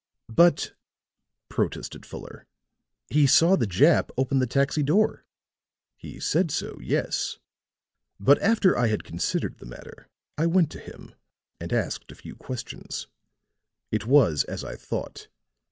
"But," protested Fuller, "he saw the Jap open the taxi door." "He said so, yes. But after I had considered the matter I went to him and asked a few questions. It was as I thought.